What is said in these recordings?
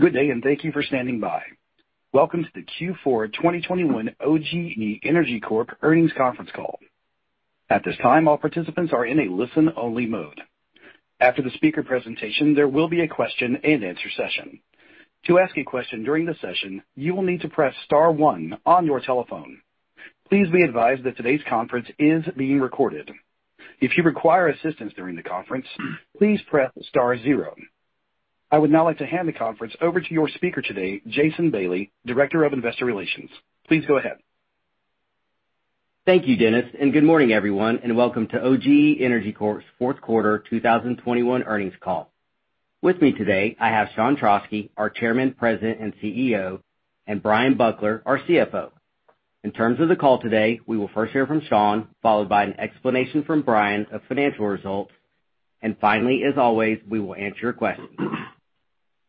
Good day, and thank you for standing by. Welcome to the Q4 2021 OGE Energy Corp Earnings Conference Call. At this time, all participants are in a listen-only mode. After the speaker presentation, there will be a question-and-answer session. To ask a question during the session, you will need to press star 1 on your telephone. Please be advised that today's conference is being recorded. If you require assistance during the conference, please press star 0. I would now like to hand the conference over to your speaker today, Jason Bailey, Director of Investor Relations. Please go ahead. Thank you, Dennis, and good morning, everyone, and welcome to OGE Energy Corp.'s Fourth Quarter 2021 Earnings Call. With me today, I have Sean Trauschke, our Chairman, President, and CEO, and Bryan Buckler, our CFO. In terms of the call today, we will first hear from Sean, followed by an explanation from Bryan of financial results, and finally, as always, we will answer your questions.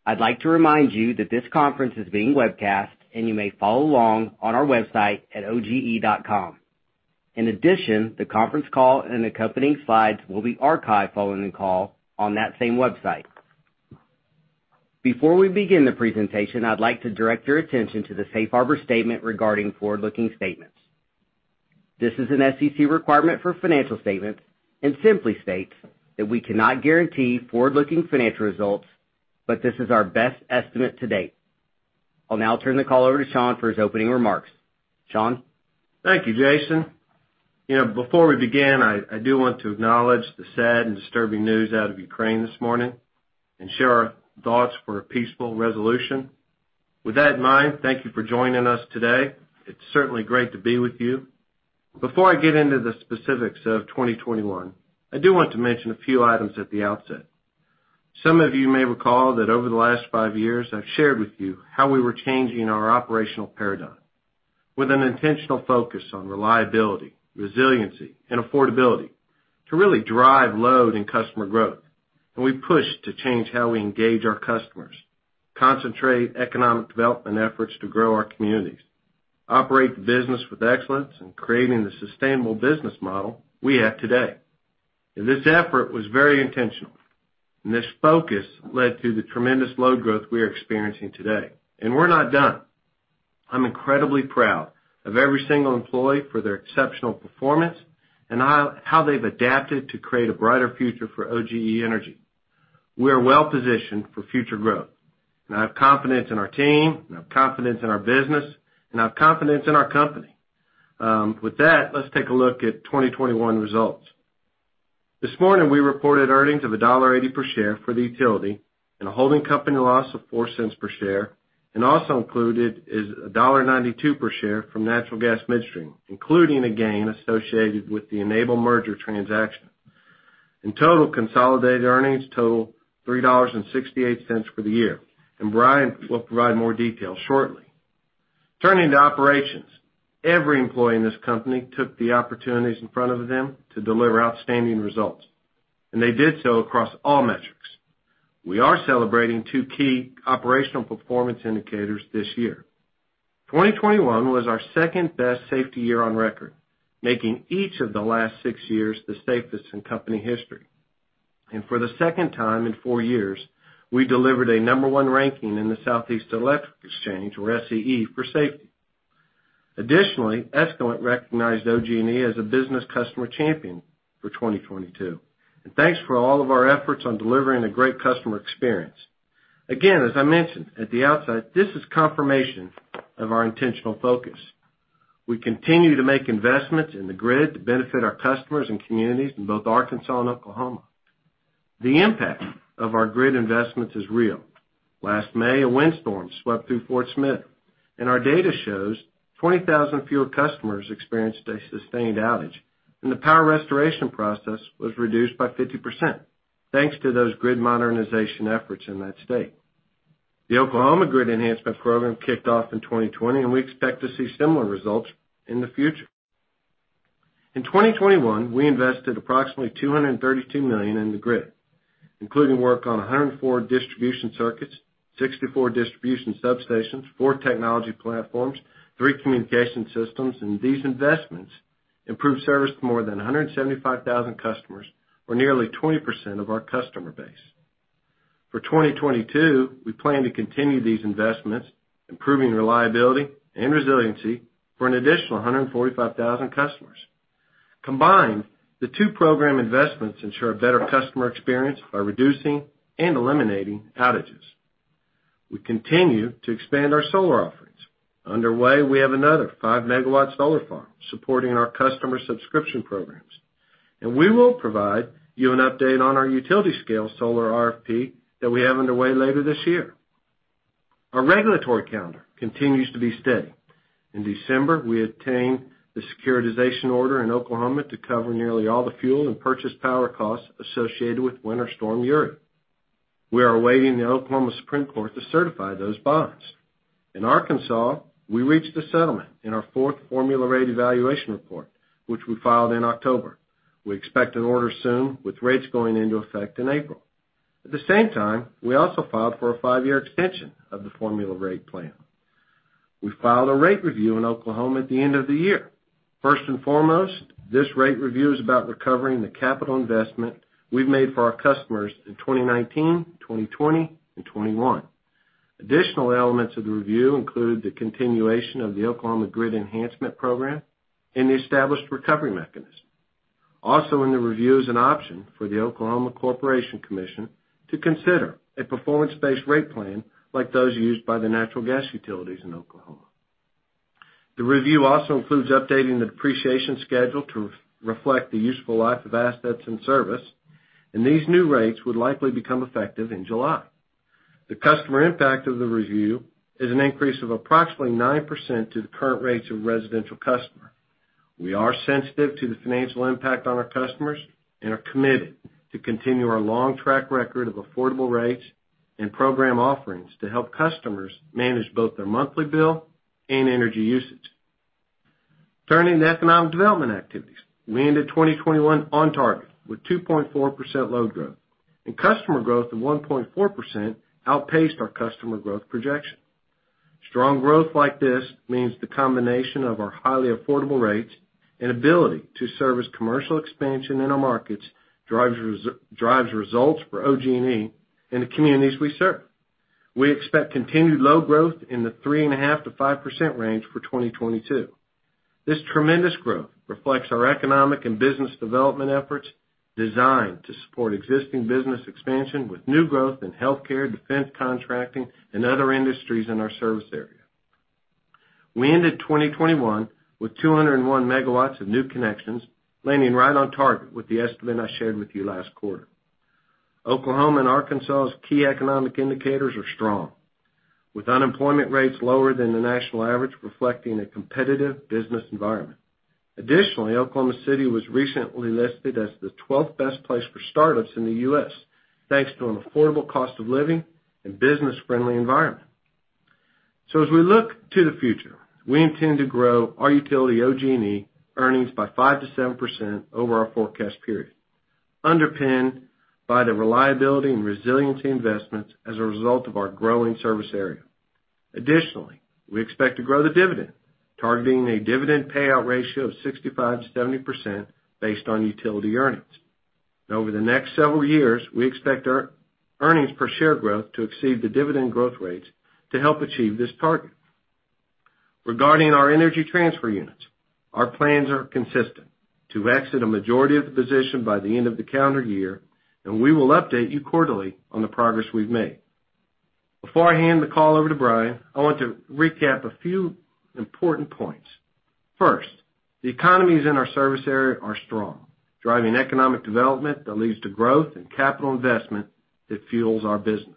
I'd like to remind you that this conference is being webcast, and you may follow along on our website at oge.com. In addition, the conference call and accompanying slides will be archived following the call on that same website. Before we begin the presentation, I'd like to direct your attention to the Safe Harbor statement regarding forward-looking statements. This is an SEC requirement for financial statements and simply states that we cannot guarantee forward-looking financial results, but this is our best estimate to date. I'll now turn the call over to Sean for his opening remarks. Sean? Thank you, Jason. You know, before we begin, I do want to acknowledge the sad and disturbing news out of Ukraine this morning and share our thoughts for a peaceful resolution. With that in mind, thank you for joining us today. It's certainly great to be with you. Before I get into the specifics of 2021, I do want to mention a few items at the outset. Some of you may recall that over the last five years, I've shared with you how we were changing our operational paradigm with an intentional focus on reliability, resiliency, and affordability to really drive load and customer growth. We pushed to change how we engage our customers, concentrate economic development efforts to grow our communities, operate the business with excellence in creating the sustainable business model we have today. This effort was very intentional, and this focus led to the tremendous load growth we are experiencing today. We're not done. I'm incredibly proud of every single employee for their exceptional performance and how they've adapted to create a brighter future for OGE Energy. We are well-positioned for future growth, and I have confidence in our team, and I have confidence in our business, and I have confidence in our company. With that, let's take a look at 2021 results. This morning, we reported earnings of $1.80 per share for the utility and a holding company loss of $0.04 per share, and also included is $1.92 per share from natural gas midstream, including a gain associated with the Enable merger transaction. In total, consolidated earnings total $3.68 for the year, and Bryan will provide more details shortly. Turning to operations, every employee in this company took the opportunities in front of them to deliver outstanding results, and they did so across all metrics. We are celebrating two key operational performance indicators this year. 2021 was our second-best safety year on record, making each of the last six years the safest in company history. For the second time in four years, we delivered a No. 1 ranking in the Southeastern Electric Exchange, or S.E.E., for safety. Additionally, Escalent recognized OGE as a business customer champion for 2022. Thanks for all of our efforts on delivering a great customer experience. Again, as I mentioned at the outset, this is confirmation of our intentional focus. We continue to make investments in the grid to benefit our customers and communities in both Arkansas and Oklahoma. The impact of our grid investments is real. Last May, a windstorm swept through Fort Smith, and our data shows 20,000 fewer customers experienced a sustained outage, and the power restoration process was reduced by 50% thanks to those grid modernization efforts in that state. The Oklahoma Grid Enhancement Plan kicked off in 2020, and we expect to see similar results in the future. In 2021, we invested approximately $232 million in the grid, including work on 104 distribution circuits, 64 distribution substations, four technology platforms, three communication systems. These investments improved service to more than 175,000 customers, or nearly 20% of our customer base. For 2022, we plan to continue these investments, improving reliability and resiliency for an additional 145,000 customers. Combined, the two program investments ensure a better customer experience by reducing and eliminating outages. We continue to expand our solar offerings. Underway, we have another 5-MW solar farm supporting our customer subscription programs, and we will provide you an update on our utility scale solar RFP that we have underway later this year. Our regulatory calendar continues to be steady. In December, we obtained the securitization order in Oklahoma to cover nearly all the fuel and purchased power costs associated with Winter Storm Uri. We are awaiting the Oklahoma Supreme Court to certify those bonds. In Arkansas, we reached a settlement in our fourth formula rate evaluation report, which we filed in October. We expect an order soon with rates going into effect in April. At the same time, we also filed for a five-year extension of the formula rate plan. We filed a rate review in Oklahoma at the end of the year. First and foremost, this rate review is about recovering the capital investment we've made for our customers in 2019, 2020, and 2021. Additional elements of the review include the continuation of the Oklahoma Grid Enhancement program and the established recovery mechanism. Also in the review is an option for the Oklahoma Corporation Commission to consider a performance-based rate plan like those used by the natural gas utilities in Oklahoma. The review also includes updating the depreciation schedule to reflect the useful life of assets and service, and these new rates would likely become effective in July. The customer impact of the review is an increase of approximately 9% to the current rates of residential customer. We are sensitive to the financial impact on our customers and are committed to continue our long track record of affordable rates and program offerings to help customers manage both their monthly bill and energy usage. Turning to economic development activities. We ended 2021 on target with 2.4% load growth and customer growth of 1.4% outpaced our customer growth projection. Strong growth like this means the combination of our highly affordable rates and ability to service commercial expansion in our markets drives results for OG&E in the communities we serve. We expect continued load growth in the 3.5%-5% range for 2022. This tremendous growth reflects our economic and business development efforts designed to support existing business expansion with new growth in healthcare, defense contracting and other industries in our service area. We ended 2021 with 201 MW of new connections, landing right on target with the estimate I shared with you last quarter. Oklahoma and Arkansas' key economic indicators are strong, with unemployment rates lower than the national average, reflecting a competitive business environment. Additionally, Oklahoma City was recently listed as the 12th best place for startups in the U.S., thanks to an affordable cost of living and business-friendly environment. As we look to the future, we intend to grow our utility, OG&E, earnings by 5%-7% over our forecast period, underpinned by the reliability and resiliency investments as a result of our growing service area. Additionally, we expect to grow the dividend, targeting a dividend payout ratio of 65%-70% based on utility earnings. Over the next several years, we expect our earnings per share growth to exceed the dividend growth rates to help achieve this target. Regarding our Energy Transfer units, our plans are consistent to exit a majority of the position by the end of the calendar year, and we will update you quarterly on the progress we've made. Before I hand the call over to Bryan, I want to recap a few important points. First, the economies in our service area are strong, driving economic development that leads to growth and capital investment that fuels our business.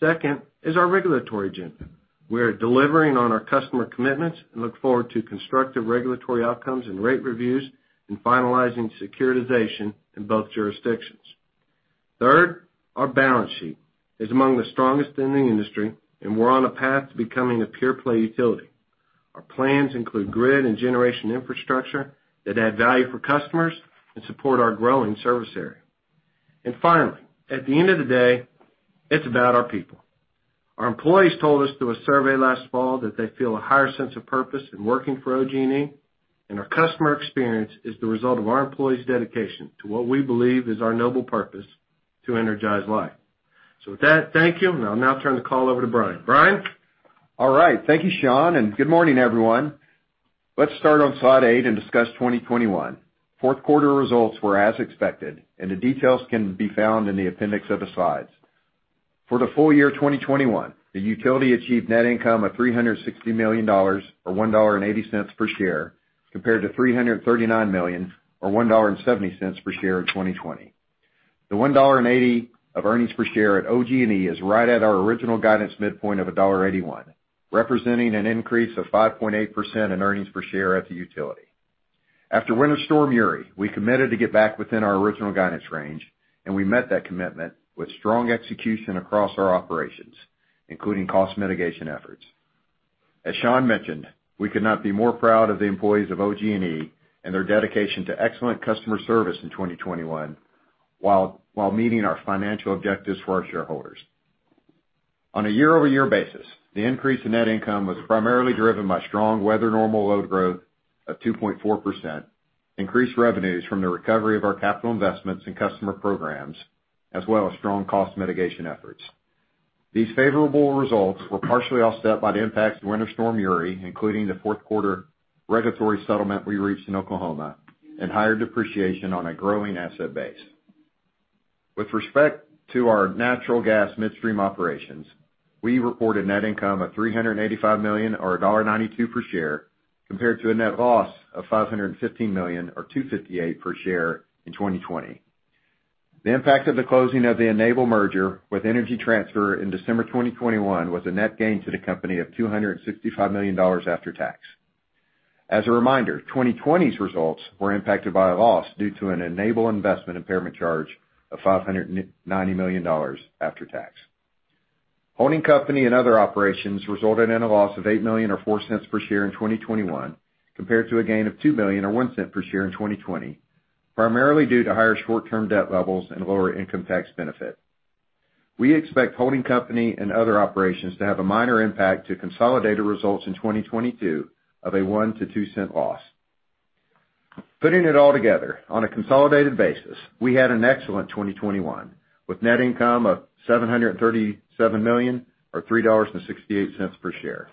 Second is our regulatory agenda. We are delivering on our customer commitments and look forward to constructive regulatory outcomes and rate reviews and finalizing securitization in both jurisdictions. Third, our balance sheet is among the strongest in the industry, and we're on a path to becoming a pure-play utility. Our plans include grid and generation infrastructure that add value for customers and support our growing service area. Finally, at the end of the day, it's about our people. Our employees told us through a survey last fall that they feel a higher sense of purpose in working for OG&E, and our customer experience is the result of our employees' dedication to what we believe is our noble purpose to energize life. With that, thank you, and I'll now turn the call over to Bryan. Bryan? All right. Thank you, Sean, and good morning, everyone. Let's start on slide 8 and discuss 2021. Fourth quarter results were as expected and the details can be found in the appendix of the slides. For the full year 2021, the utility achieved net income of $360 million, or $1.80 per share, compared to $339 million or $1.70 per share in 2020. The $1.80 of earnings per share at OG&E is right at our original guidance midpoint of $1.81, representing an increase of 5.8% in earnings per share at the utility. After Winter Storm Uri, we committed to get back within our original guidance range, and we met that commitment with strong execution across our operations, including cost mitigation efforts. As Sean mentioned, we could not be more proud of the employees of OG&E and their dedication to excellent customer service in 2021, while meeting our financial objectives for our shareholders. On a year-over-year basis, the increase in net income was primarily driven by strong weather normal load growth of 2.4%, increased revenues from the recovery of our capital investments and customer programs, as well as strong cost mitigation efforts. These favorable results were partially offset by the impacts of Winter Storm Uri, including the fourth quarter regulatory settlement we reached in Oklahoma and higher depreciation on a growing asset base. With respect to our natural gas midstream operations, we reported net income of $385 million or $1.92 per share, compared to a net loss of $515 million or $2.58 per share in 2020. The impact of the closing of the Enable merger with Energy Transfer in December 2021 was a net gain to the company of $265 million after tax. As a reminder, 2020's results were impacted by a loss due to an Enable investment impairment charge of $590 million after tax. Holding company and other operations resulted in a loss of $8 million or $0.04 per share in 2021 compared to a gain of $2 million or $0.01 per share in 2020, primarily due to higher short-term debt levels and lower income tax benefit. We expect holding company and other operations to have a minor impact to consolidated results in 2022 of a $0.01-$0.02 loss. Putting it all together, on a consolidated basis, we had an excellent 2021, with net income of $737 million or $3.68 per share.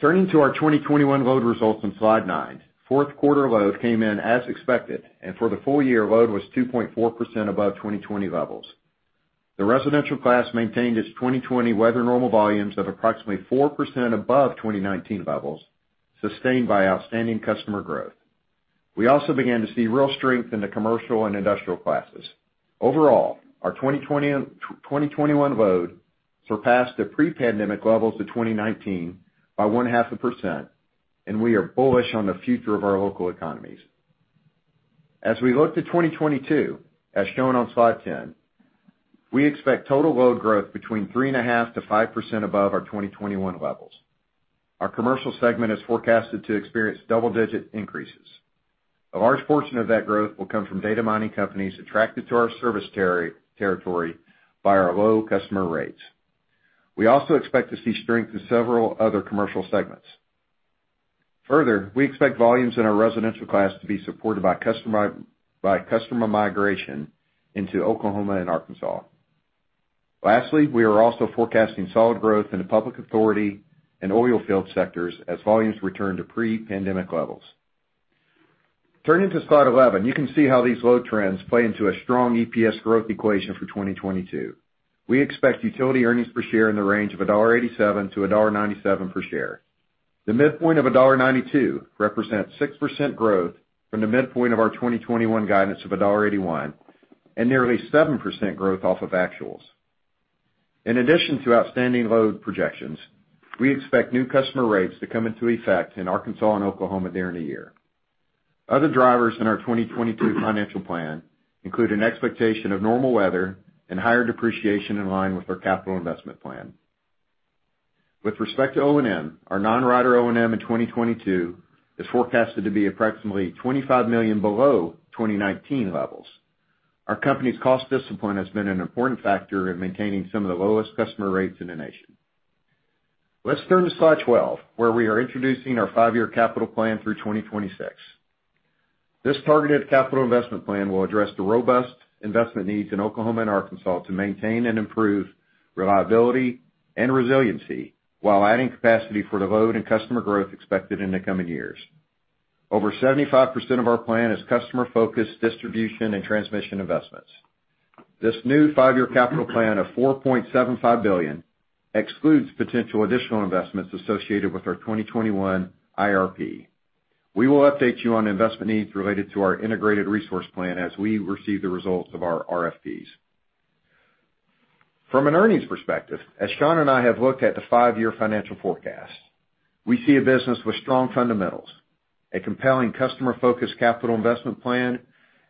Turning to our 2021 load results on slide 9. Fourth quarter load came in as expected, and for the full year, load was 2.4% above 2020 levels. The residential class maintained its 2020 weather normal volumes of approximately 4% above 2019 levels, sustained by outstanding customer growth. We also began to see real strength in the commercial and industrial classes. Overall, our 2021 load surpassed the pre-pandemic levels of 2019 by 0.5%, and we are bullish on the future of our local economies. As we look to 2022, as shown on slide 10, we expect total load growth between 3.5%-5% above our 2021 levels. Our Commercial segment is forecasted to experience double-digit increases. A large portion of that growth will come from data mining companies attracted to our service territory by our low customer rates. We also expect to see strength in several other Commercial segments. Further, we expect volumes in our residential class to be supported by customer migration into Oklahoma and Arkansas. Lastly, we are also forecasting solid growth in the public authority and oil field sectors as volumes return to pre-pandemic levels. Turning to slide 11, you can see how these load trends play into a strong EPS growth equation for 2022. We expect utility earnings per share in the range of $1.87-$1.97 per share. The midpoint of $1.92 represents 6% growth from the midpoint of our 2021 guidance of $1.81 and nearly 7% growth off of actuals. In addition to outstanding load projections, we expect new customer rates to come into effect in Arkansas and Oklahoma during the year. Other drivers in our 2022 financial plan include an expectation of normal weather and higher depreciation in line with our capital investment plan. With respect to O&M, our non-rider O&M in 2022 is forecasted to be approximately $25 million below 2019 levels. Our company's cost discipline has been an important factor in maintaining some of the lowest customer rates in the nation. Let's turn to slide 12, where we are introducing our five-year capital plan through 2026. This targeted capital investment plan will address the robust investment needs in Oklahoma and Arkansas to maintain and improve reliability and resiliency while adding capacity for the load and customer growth expected in the coming years. Over 75% of our plan is customer-focused distribution and transmission investments. This new five-year capital plan of $4.75 billion excludes potential additional investments associated with our 2021 IRP. We will update you on investment needs related to our integrated resource plan as we receive the results of our RFPs. From an earnings perspective, as Sean and I have looked at the five-year financial forecast, we see a business with strong fundamentals, a compelling customer-focused capital investment plan,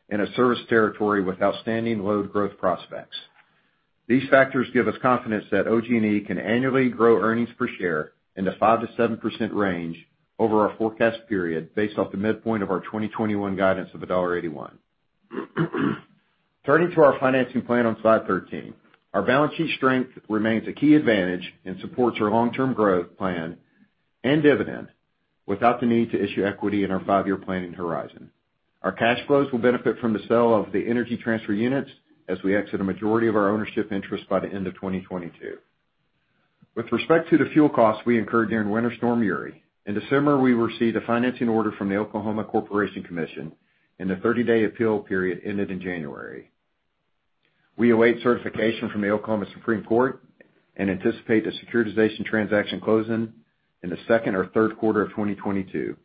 and a service territory with outstanding load growth prospects. These factors give us confidence that OG&E can annually grow earnings per share in the 5%-7% range over our forecast period based off the midpoint of our 2021 guidance of $1.81. Turning to our financing plan on slide 13. Our balance sheet strength remains a key advantage and supports our long-term growth plan and dividend without the need to issue equity in our five-year planning horizon. Our cash flows will benefit from the sale of the Energy Transfer units as we exit a majority of our ownership interest by the end of 2022. With respect to the fuel costs we incurred during Winter Storm Uri, in December, we received a financing order from the Oklahoma Corporation Commission, and the 30-day appeal period ended in January. We await certification from the Oklahoma Supreme Court and anticipate the securitization transaction closing in the second or third quarter of 2022,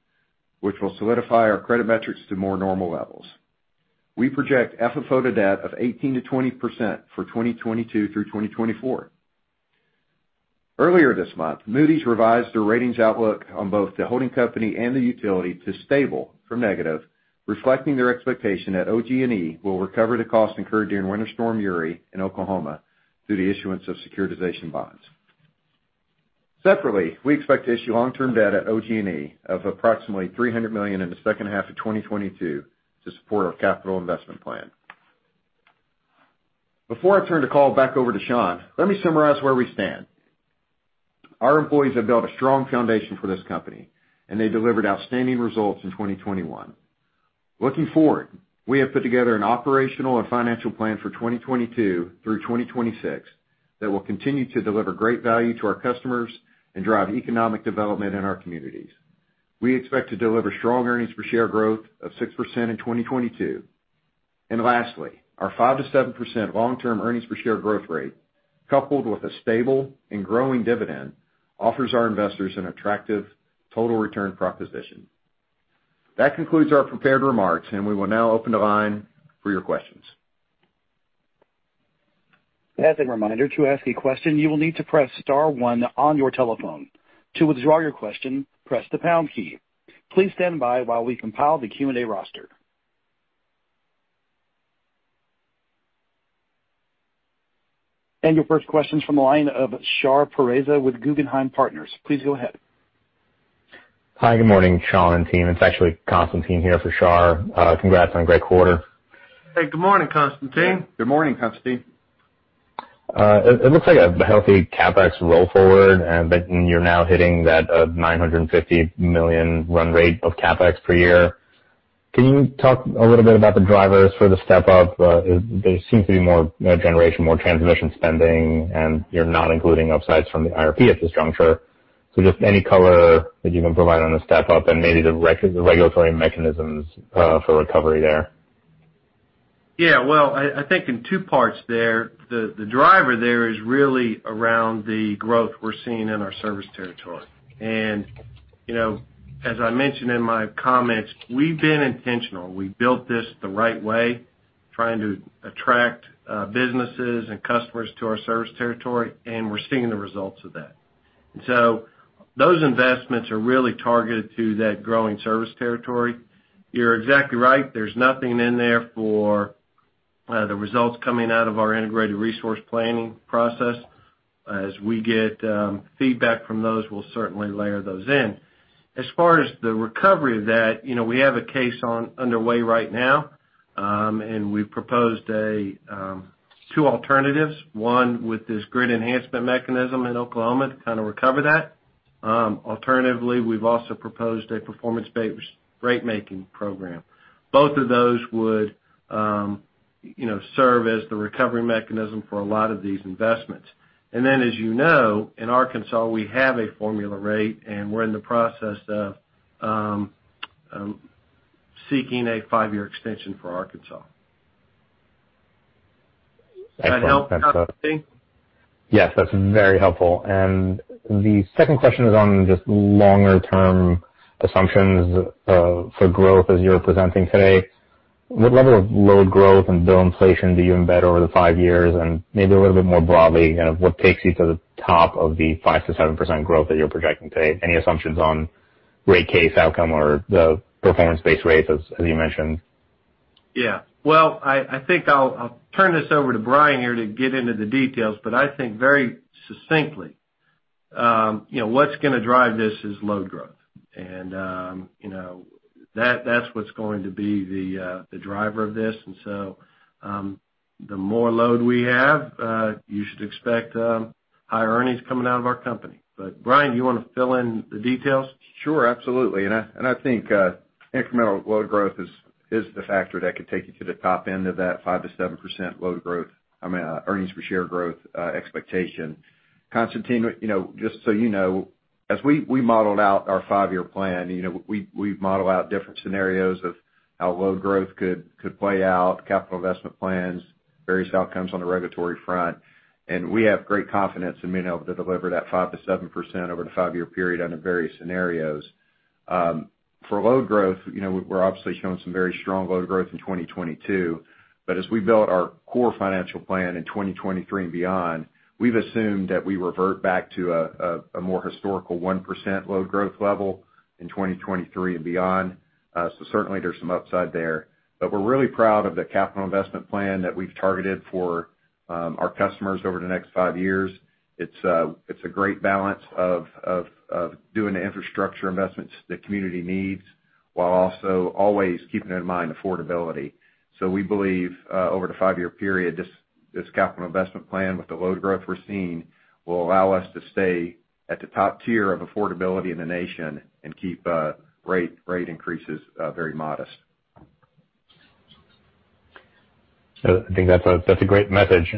which will solidify our credit metrics to more normal levels. We project FFO to debt of 18%-20% for 2022 through 2024. Earlier this month, Moody's revised their ratings outlook on both the holding company and the utility to stable from negative, reflecting their expectation that OG&E will recover the costs incurred during Winter Storm Uri in Oklahoma through the issuance of securitization bonds. Separately, we expect to issue long-term debt at OG&E of approximately $300 million in the second half of 2022 to support our capital investment plan. Before I turn the call back over to Sean, let me summarize where we stand. Our employees have built a strong foundation for this company, and they delivered outstanding results in 2021. Looking forward, we have put together an operational and financial plan for 2022 through 2026 that will continue to deliver great value to our customers and drive economic development in our communities. We expect to deliver strong earnings per share growth of 6% in 2022. Lastly, our 5%-7% long-term earnings per share growth rate, coupled with a stable and growing dividend, offers our investors an attractive total return proposition. That concludes our prepared remarks, and we will now open the line for your questions. As a reminder, to ask a question, you will need to press star 1 on your telephone. To withdraw your question, press the pound key. Please stand by while we compile the Q&A roster. Your first question's from the line of Shar Pourreza with Guggenheim Partners. Please go ahead. Hi, good morning, Sean and team. It's actually Constantine here for Shar. Congrats on a great quarter. Hey, good morning, Constantine. Good morning, Constantine. It looks like a healthy CapEx roll forward, and that you're now hitting that $950 million run rate of CapEx per year. Can you talk a little bit about the drivers for the step up? There seems to be more generation, more transmission spending, and you're not including upsides from the IRP at this juncture. Just any color that you can provide on the step up and maybe the regulatory mechanisms for recovery there. Well, I think in two parts there, the driver there is really around the growth we're seeing in our service territory. You know, as I mentioned in my comments, we've been intentional. We built this the right way, trying to attract businesses and customers to our service territory, and we're seeing the results of that. Those investments are really targeted to that growing service territory. You're exactly right. There's nothing in there for the results coming out of our integrated resource planning process. As we get feedback from those, we'll certainly layer those in. As far as the recovery of that, you know, we have a case underway right now, and we've proposed two alternatives. One, with this Grid Enhancement Mechanism in Oklahoma to kinda recover that. Alternatively, we've also proposed a performance-based rate plan. Both of those would, you know, serve as the recovery mechanism for a lot of these investments. As you know, in Arkansas, we have a formula rate, and we're in the process of seeking a five-year extension for Arkansas. Excellent. Does that help, Constantine? Yes, that's very helpful. The second question is on just longer term assumptions, for growth as you're presenting today. What level of load growth and bill inflation do you embed over the five years? And maybe a little bit more broadly, kind of what takes you to the top of the 5%-7% growth that you're projecting today? Any assumptions on rate case outcome or the performance-based rates as you mentioned? Yeah. Well, I think I'll turn this over to Bryan here to get into the details, but I think very succinctly, you know, what's gonna drive this is load growth. You know, that's what's going to be the driver of this. The more load we have, you should expect higher earnings coming out of our company. Bryan, you wanna fill in the details? Sure, absolutely. I think incremental load growth is the factor that could take you to the top end of that 5%-7% load growth. I mean, earnings per share growth expectation. Constantine, you know, just so you know, as we modeled out our five-year plan, you know, we model out different scenarios of how load growth could play out, capital investment plans, various outcomes on the regulatory front, and we have great confidence in being able to deliver that 5%-7% over the five-year period under various scenarios. For load growth, you know, we're obviously showing some very strong load growth in 2022. As we built our core financial plan in 2023 and beyond, we've assumed that we revert back to a more historical 1% load growth level in 2023 and beyond. Certainly there's some upside there. We're really proud of the capital investment plan that we've targeted for our customers over the next five years. It's a great balance of doing the infrastructure investments the community needs while also always keeping in mind affordability. We believe over the five-year period, this capital investment plan with the load growth we're seeing will allow us to stay at the top tier of affordability in the nation and keep rate increases very modest. I think that's a great message.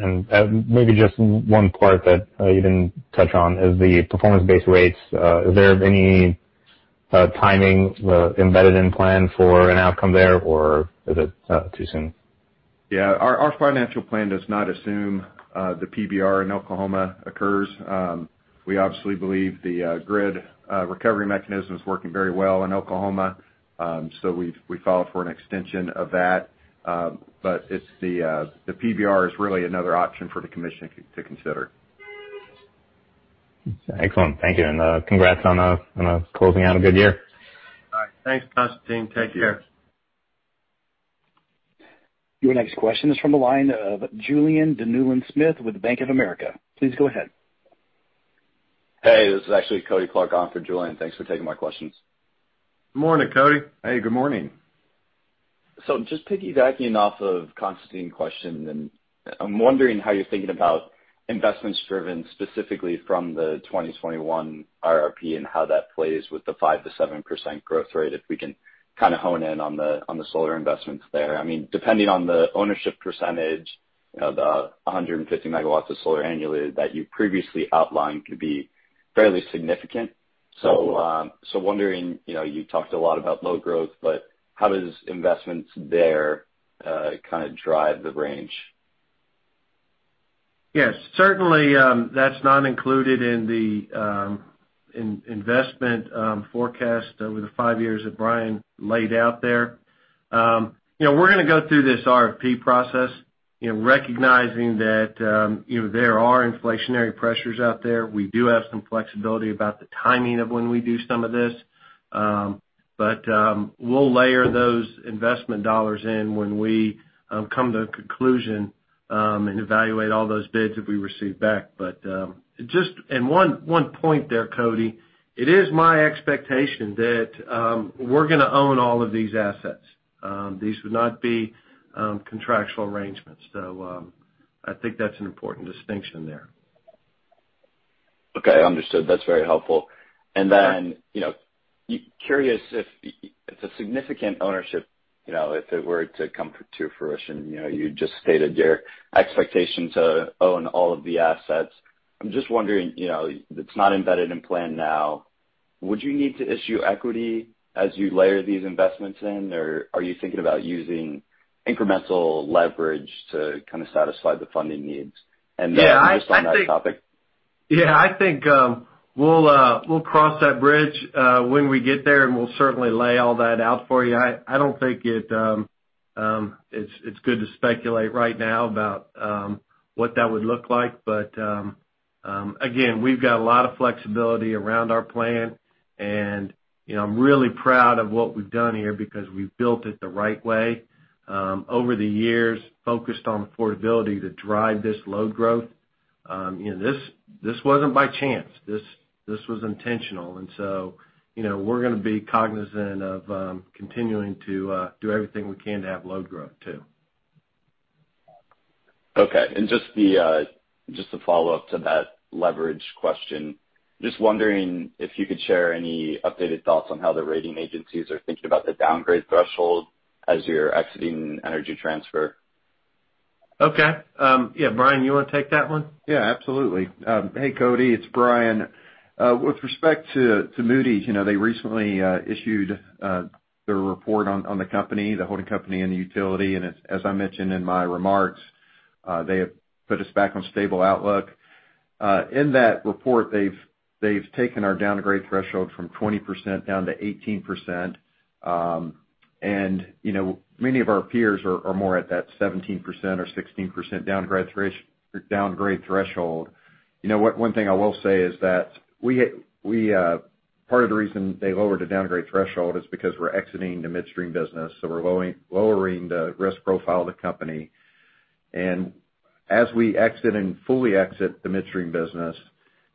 Maybe just one part that you didn't touch on is the performance-based rates. Is there any timing embedded in plan for an outcome there, or is it too soon? Yeah. Our financial plan does not assume the PBR in Oklahoma occurs. We obviously believe the grid recovery mechanism is working very well in Oklahoma, so we filed for an extension of that. The PBR is really another option for the commission to consider. Excellent. Thank you, and congrats on closing out a good year. All right. Thanks, Constantine. Take care. Your next question is from the line of Julien Dumoulin-Smith with Bank of America. Please go ahead. Hey, this is actually Cody Clark on for Julien. Thanks for taking my questions. Morning, Cody. Hey, good morning. Just piggybacking off of Constantine's question, I'm wondering how you're thinking about investments driven specifically from the 2021 IRP and how that plays with the 5%-7% growth rate, if we can kinda hone in on the solar investments there. I mean, depending on the ownership percentage, you know, the 150 MW of solar annually that you previously outlined could be fairly significant. Wondering, you know, you talked a lot about load growth, but how does investments there kinda drive the range? Yes. Certainly, that's not included in the investment forecast over the five years that Bryan laid out there. You know, we're gonna go through this RFP process, you know, recognizing that you know, there are inflationary pressures out there. We do have some flexibility about the timing of when we do some of this. We'll layer those investment dollars in when we come to a conclusion and evaluate all those bids that we receive back. One point there, Cody. It is my expectation that we're gonna own all of these assets. These would not be contractual arrangements, so I think that's an important distinction there. Okay. Understood. That's very helpful. You know, it's a significant ownership, you know, if it were to come to fruition. You know, you just stated your expectation to own all of the assets. I'm just wondering, you know, it's not embedded in plan now, would you need to issue equity as you layer these investments in, or are you thinking about using incremental leverage to kind of satisfy the funding needs? Yeah, I think- Just on that topic. Yeah, I think we'll cross that bridge when we get there, and we'll certainly lay all that out for you. I don't think it's good to speculate right now about what that would look like, but again, we've got a lot of flexibility around our plan. You know, I'm really proud of what we've done here because we've built it the right way over the years, focused on affordability to drive this load growth. You know, this wasn't by chance. This was intentional. You know, we're gonna be cognizant of continuing to do everything we can to have load growth too. Just a follow-up to that leverage question. Just wondering if you could share any updated thoughts on how the rating agencies are thinking about the downgrade threshold as you're exiting Energy Transfer. Okay. Yeah, Bryan, you wanna take that one? Yeah, absolutely. Hey, Cody, it's Bryan. With respect to Moody's, you know, they recently issued their report on the company, the holding company and the utility. As I mentioned in my remarks, they have put us back on stable outlook. In that report, they've taken our downgrade threshold from 20% down to 18%. You know, many of our peers are more at that 17% or 16% downgrade threshold. One thing I will say is that part of the reason they lowered the downgrade threshold is because we're exiting the midstream business, so we're lowering the risk profile of the company. As we exit and fully exit the midstream business,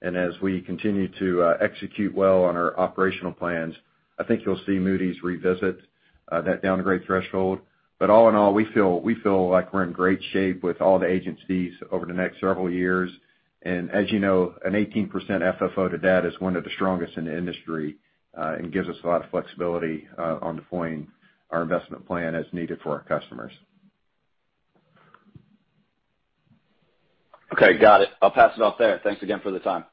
and as we continue to execute well on our operational plans, I think you'll see Moody's revisit that downgrade threshold. All in all, we feel like we're in great shape with all the agencies over the next several years. As you know, an 18% FFO to debt is one of the strongest in the industry, and gives us a lot of flexibility on deploying our investment plan as needed for our customers. Okay, got it. I'll pass it off there. Thanks again for the time.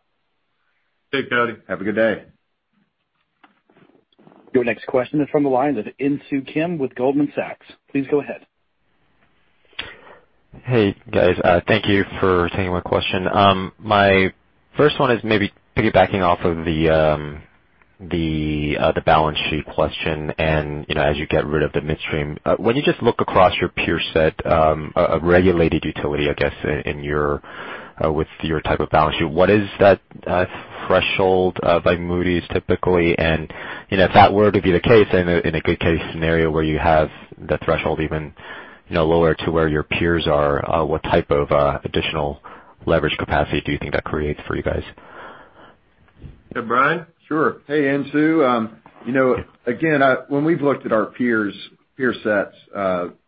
Thanks, Cody. Have a good day. Your next question is from the line of Insoo Kim with Goldman Sachs. Please go ahead. Hey, guys. Thank you for taking my question. My first one is maybe piggybacking off of the balance sheet question and, you know, as you get rid of the midstream. When you just look across your peer set, a regulated utility, I guess in your with your type of balance sheet, what is that threshold by Moody's typically? You know, if that were to be the case in a good case scenario where you have the threshold even, you know, lower to where your peers are, what type of additional leverage capacity do you think that creates for you guys? Yeah, Bryan? Sure. Hey, Insoo. You know, again, when we've looked at our peers, peer sets,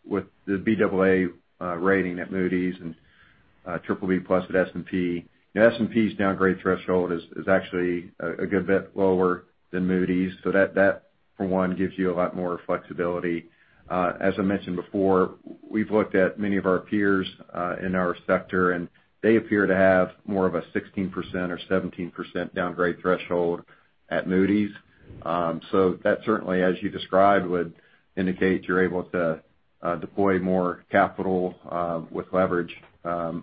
with the Baa rating at Moody's and BBB+ at S&P. S&P's downgrade threshold is actually a good bit lower than Moody's. That for one gives you a lot more flexibility. As I mentioned before, we've looked at many of our peers in our sector, and they appear to have more of a 16% or 17% downgrade threshold at Moody's. That certainly, as you described, would indicate you're able to deploy more capital with leverage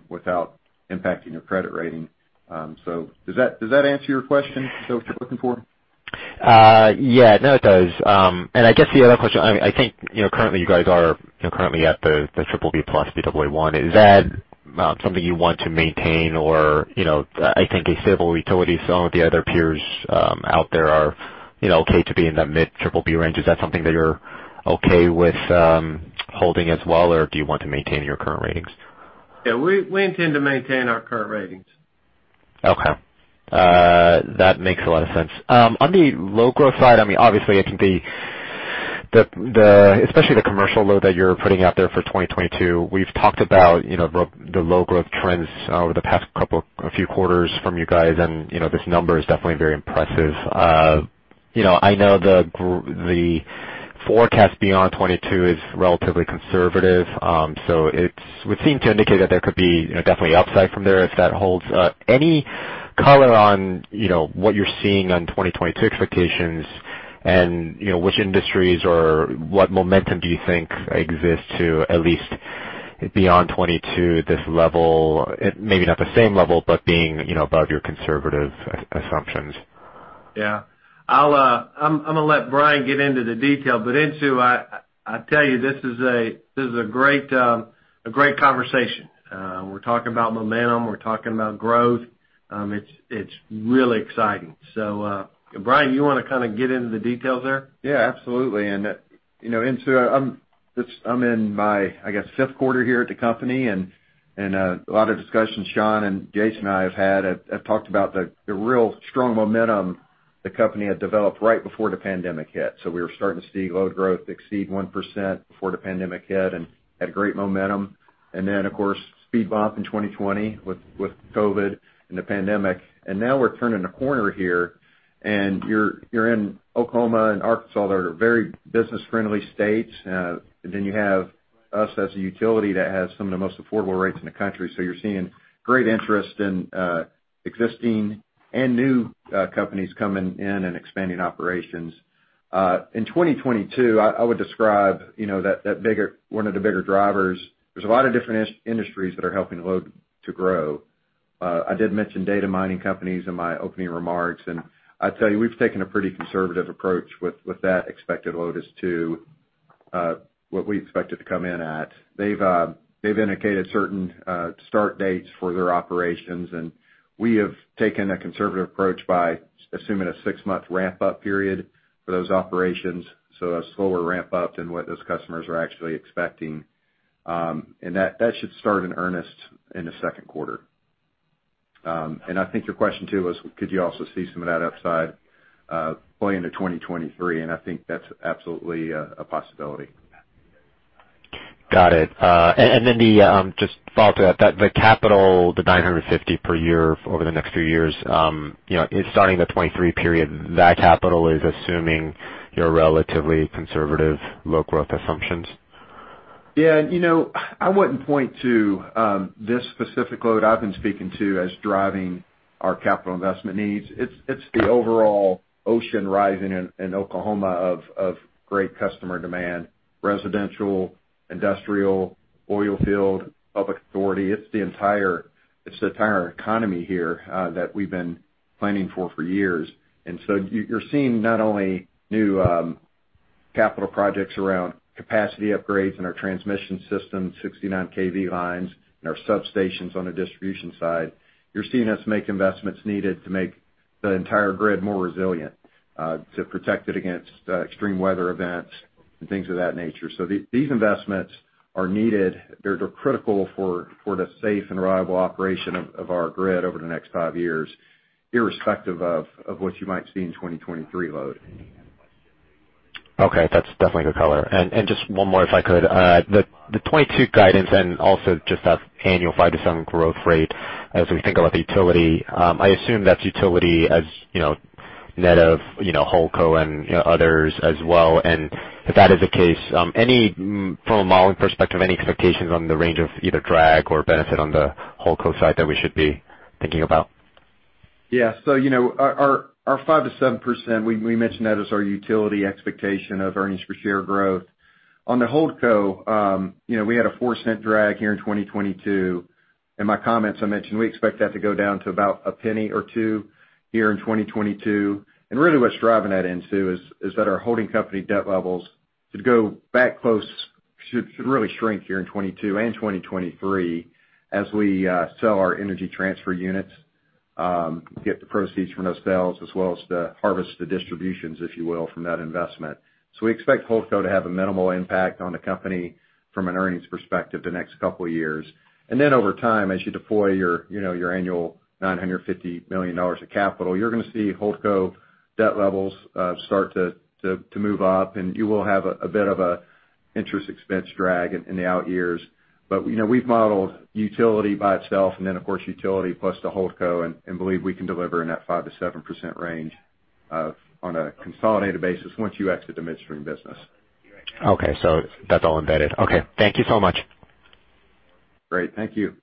without impacting your credit rating. Does that answer your question? Is that what you're looking for? Yeah. No, it does. I guess the other question, I mean, I think, you know, you guys are currently at the BBB+, Baa1. Is that something you want to maintain or, you know, I think a stable utility, some of the other peers out there are, you know, okay to be in the mid-BBB range. Is that something that you're okay with holding as well, or do you want to maintain your current ratings? Yeah. We intend to maintain our current ratings. Okay. That makes a lot of sense. On the load growth side, I mean, obviously it can be especially the commercial load that you're putting out there for 2022. We've talked about, you know, the load growth trends over the past few quarters from you guys, and, you know, this number is definitely very impressive. You know, I know the forecast beyond 2022 is relatively conservative. Would seem to indicate that there could be, you know, definitely upside from there if that holds. Any color on, you know, what you're seeing on 2022 expectations and, you know, which industries or what momentum do you think exists to at least beyond 2022 this level? It may be not the same level, but being, you know, above your conservative assumptions. Yeah. I'mma let Bryan get into the detail. Insoo, I tell you, this is a great conversation. We're talking about momentum, we're talking about growth. It's really exciting. Bryan, you wanna kinda get into the details there? Yeah, absolutely. You know, I'm in my, I guess, fifth quarter here at the company, and a lot of discussions Sean and Jason and I have had have talked about the real strong momentum the company had developed right before the pandemic hit. We were starting to see load growth exceed 1% before the pandemic hit and had great momentum. Of course, speed bump in 2020 with COVID and the pandemic. Now we're turning a corner here, and you're in Oklahoma and Arkansas that are very business-friendly states. Then you have us as a utility that has some of the most affordable rates in the country. You're seeing great interest in existing and new companies coming in and expanding operations. In 2022, I would describe, you know, that bigger, one of the bigger drivers. There's a lot of different industries that are helping load to grow. I did mention data mining companies in my opening remarks, and I'd tell you, we've taken a pretty conservative approach with that expected load as to what we expect it to come in at. They've indicated certain start dates for their operations, and we have taken a conservative approach by assuming a six-month ramp-up period for those operations, so a slower ramp-up than what those customers are actually expecting. That should start in earnest in the second quarter. I think your question too was could you also see some of that upside play into 2023, and I think that's absolutely a possibility. Got it. Then, just following that. The capital, $950 per year over the next few years, is starting the 2023 period, that capital is assuming your relatively conservative load growth assumptions? Yeah, you know, I wouldn't point to this specific load I've been speaking to as driving our capital investment needs. It's, it's the overall ocean rising in Oklahoma of great customer demand, residential, industrial, oil field, public authority. It's the entire economy here that we've been planning for for years. You, you're seeing not only new capital projects around capacity upgrades in our transmission system, 69 kV lines and our substations on the distribution side. You're seeing us make investments needed to make the entire grid more resilient to protect it against extreme weather events and things of that nature. These investments are needed. They're critical for the safe and reliable operation of our grid over the next five years, irrespective of what you might see in 2023 load. Okay. That's definitely good color. Just one more, if I could. The 2022 guidance and also just that annual 5%-7% growth rate as we think about the utility. I assume that's utility, you know, net of, you know, HoldCo and, you know, others as well. If that is the case, from a modeling perspective, any expectations on the range of either drag or benefit on the HoldCo side that we should be thinking about? Yeah. You know, our 5%-7%, we mentioned that as our utility expectation of earnings per share growth. On the HoldCo, you know, we had a $0.04 drag here in 2022. In my comments, I mentioned we expect that to go down to about a $0.01 or $0.02 here in 2022. Really what's driving that, Insoo, is that our holding company debt levels should really shrink here in 2022 and 2023 as we sell our Energy Transfer units, get the proceeds from those sales, as well as plus the distributions, if you will, from that investment. We expect HoldCo to have a minimal impact on the company from an earnings perspective the next couple of years. Over time, as you deploy your, you know, your annual $950 million of capital, you're gonna see HoldCo debt levels start to move up, and you will have a bit of a interest expense drag in the out years. You know, we've modeled utility by itself and then, of course, utility plus the HoldCo and believe we can deliver in that 5%-7% range on a consolidated basis once you exit the midstream business. Okay. That's all embedded. Okay. Thank you so much. Great. Thank you.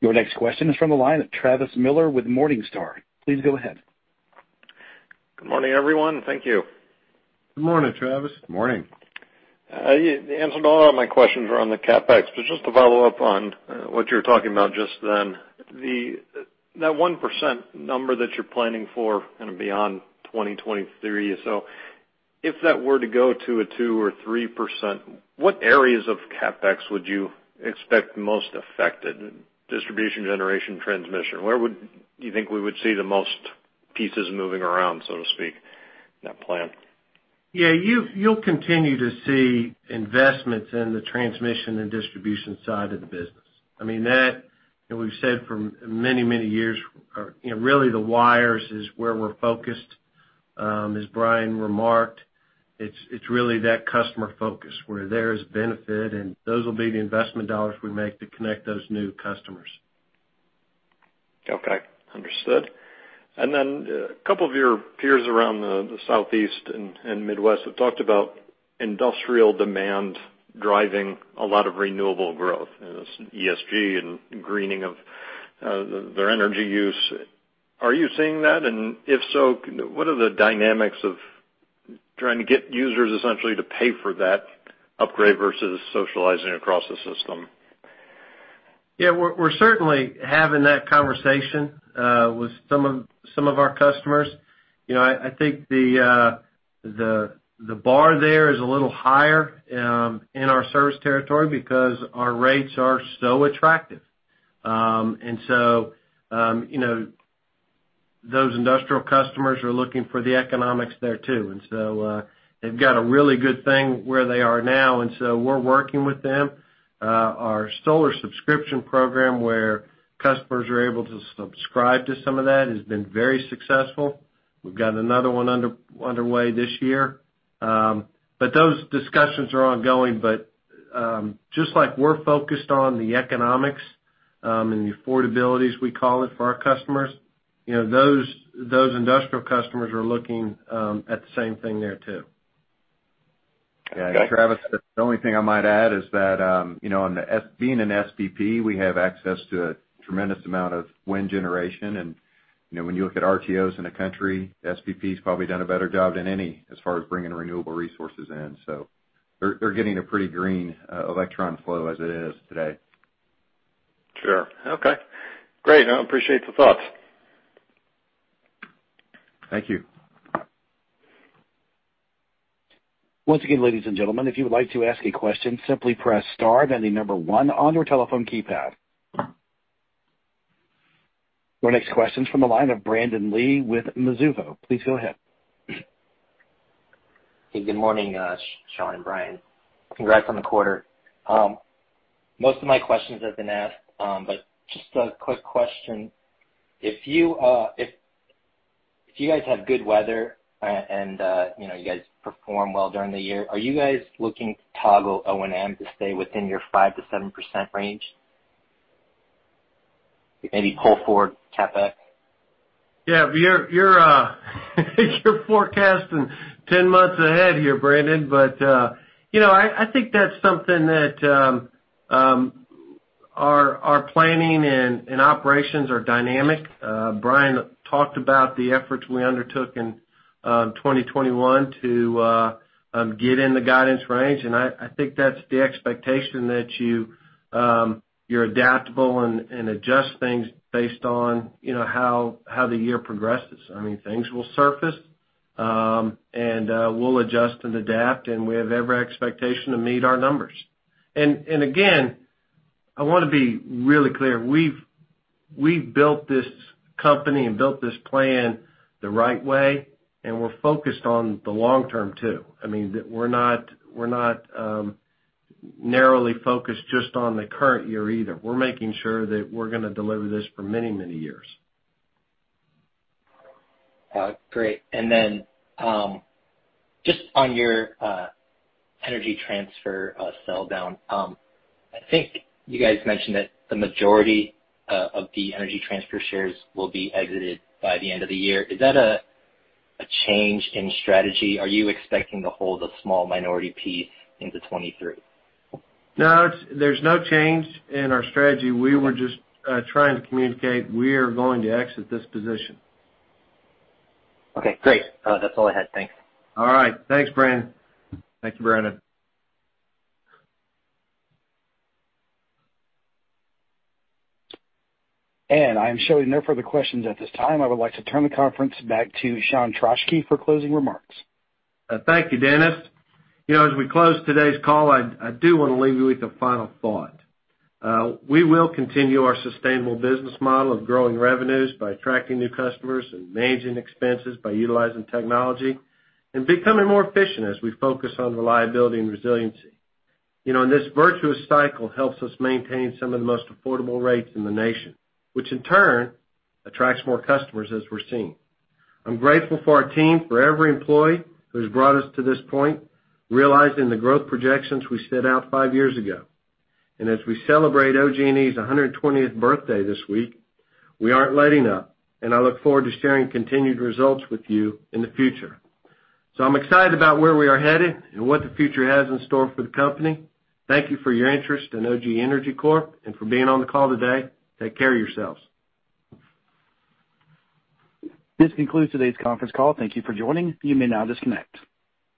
Your next question is from the line of Travis Miller with Morningstar. Please go ahead. Good morning, everyone. Thank you. Good morning, Travis. Morning. You answered a lot of my questions around the CapEx, but just to follow up on what you were talking about just then. That 1% number that you're planning for kind of beyond 2023. If that were to go to a 2% or 3%, what areas of CapEx would you expect most affected? Distribution, generation, transmission, where would you think we would see the most pieces moving around, so to speak, in that plan? Yeah. You'll continue to see investments in the transmission and distribution side of the business. I mean, that, you know, we've said for many, many years, or, you know, really the wires is where we're focused. As Bryan remarked, it's really that customer focus where there's benefit, and those will be the investment dollars we make to connect those new customers. Okay. Understood. A couple of your peers around the Southeast and Midwest have talked about industrial demand driving a lot of renewable growth, you know, ESG and greening of their energy use. Are you seeing that? If so, what are the dynamics of trying to get users essentially to pay for that upgrade versus socializing across the system? Yeah. We're certainly having that conversation with some of our customers. You know, I think the bar there is a little higher in our service territory because our rates are so attractive. You know, those industrial customers are looking for the economics there too. They've got a really good thing where they are now, and so we're working with them. Our solar subscription program, where customers are able to subscribe to some of that, has been very successful. We've got another one underway this year. Those discussions are ongoing. Just like we're focused on the economics and the affordability we call it for our customers, you know, those industrial customers are looking at the same thing there too. Okay. Travis, the only thing I might add is that, you know, being an SPP, we have access to a tremendous amount of wind generation. You know, when you look at RTOs in the country, SPP has probably done a better job than any as far as bringing renewable resources in. They're getting a pretty green electron flow as it is today. Sure. Okay, great. I appreciate the thoughts. Thank you. Once again, ladies and gentlemen, if you would like to ask a question, simply press star then 1 on your telephone keypad. Our next question is from the line of Brandon Lee with Mizuho. Please go ahead. Hey, good morning, Sean and Bryan. Congrats on the quarter. Most of my questions have been asked, but just a quick question. If you guys have good weather and you know, you guys perform well during the year, are you guys looking to toggle O&M to stay within your 5%-7% range? Maybe pull forward CapEx? Yeah, you're forecasting 10 months ahead here, Brandon. You know, I think that's something that our planning and operations are dynamic. Bryan talked about the efforts we undertook in 2021 to get in the guidance range. I think that's the expectation that you're adaptable and adjust things based on, you know, how the year progresses. I mean, things will surface, and we'll adjust and adapt, and we have every expectation to meet our numbers. Again, I wanna be really clear, we've built this company and built this plan the right way, and we're focused on the long term too. I mean, we're not narrowly focused just on the current year either. We're making sure that we're gonna deliver this for many, many years. Great. Then, just on your Energy Transfer sell down. I think you guys mentioned that the majority of the Energy Transfer shares will be exited by the end of the year. Is that a change in strategy? Are you expecting to hold a small minority piece into 2023? No, there's no change in our strategy. We were just trying to communicate we are going to exit this position. Okay, great. That's all I had. Thanks. All right. Thanks, Brandon. Thank you, Brandon. I am showing no further questions at this time. I would like to turn the conference back to Sean Trauschke for closing remarks. Thank you, Dennis. You know, as we close today's call, I do wanna leave you with a final thought. We will continue our sustainable business model of growing revenues by attracting new customers and managing expenses by utilizing technology and becoming more efficient as we focus on reliability and resiliency. You know, and this virtuous cycle helps us maintain some of the most affordable rates in the nation, which in turn attracts more customers as we're seeing. I'm grateful for our team, for every employee who's brought us to this point, realizing the growth projections we set out five years ago. As we celebrate OG&E's 120th birthday this week, we aren't letting up, and I look forward to sharing continued results with you in the future. I'm excited about where we are headed and what the future has in store for the company. Thank you for your interest in OGE Energy Corp. and for being on the call today. Take care of yourselves. This concludes today's conference call. Thank you for joining. You may now disconnect.